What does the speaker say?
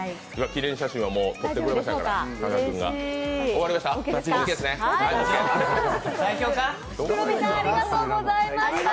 記念写真は撮ってくれましたから、加賀君が。